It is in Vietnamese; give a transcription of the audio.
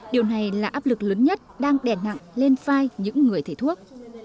điều này là áp lực lớn nhất đang đèn nặng lên vai những người thể thuốc